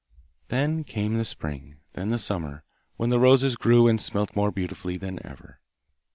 Then came the spring, then the summer, when the roses grew and smelt more beautifully than ever.